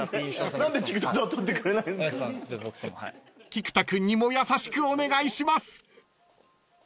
［菊田君にも優しくお願いします］